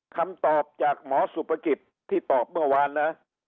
คำตอบจากหมอสุภกิจที่ตอบเมื่อวานนะ